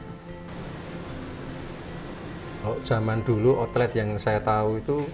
kalau zaman dulu outlet yang saya tahu itu